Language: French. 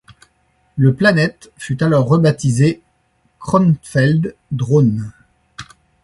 Le Planette fut alors rebaptisé Kronfeld Drone.